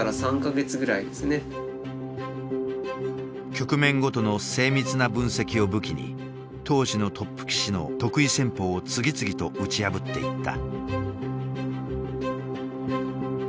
局面ごとの精密な分析を武器に当時のトップ棋士の得意戦法を次々と打ち破っていった。